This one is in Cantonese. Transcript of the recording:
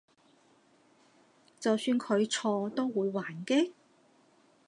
就算佢錯都會還擊？